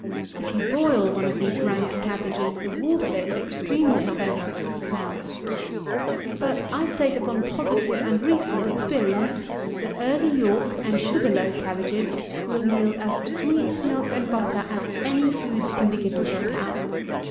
If you boil one of these rank cabbages, the water is extremely offensive to the smell. But I state upon positive and recent experience, that Early York and Sugar loaf Cabbages will yield as sweet milk and butter as any food that can be given to a cow.